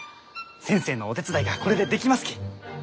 先生のお手伝いがこれでできますき。